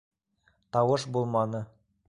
- Тауыш булманы.